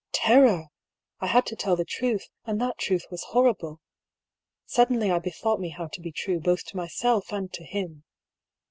Terror ! I had to tell the truth, and that truth was horrible. Suddenly I be thought me how to be true both to myself and to him.